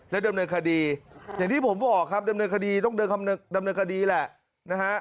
ดำเนินคดีอย่างที่ผมบอกครับดำเนินคดีต้องดำเนินคดีแหละนะฮะ